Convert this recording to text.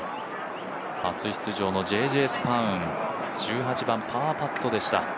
初出場のジェー・ジェー・スパウン、１８番パーパットでした。